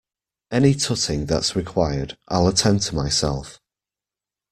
Any tutting that's required, I'll attend to myself.